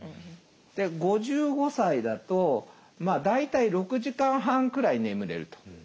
５５歳だと大体６時間半くらい眠れると。